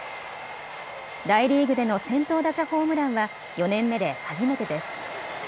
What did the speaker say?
大リーグでの先頭打者ホームランは４年目で初めてです。